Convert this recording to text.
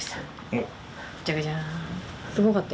うん。